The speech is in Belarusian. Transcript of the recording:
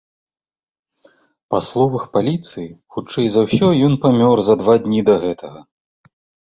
Па словах паліцыі, хутчэй за ўсё, ён памёр за два дні да гэтага.